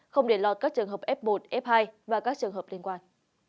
không để lọt các trường hợp f một f hai và các trường hợp liên quan